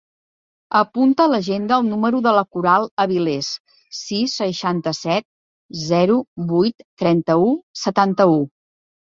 Apunta a l'agenda el número de la Coral Aviles: sis, seixanta-set, zero, vuit, trenta-u, setanta-u.